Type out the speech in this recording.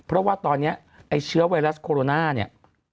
เพราะว่าตอนนี้ไอ้เชื้อไวรัสโคโรนาเนี่ย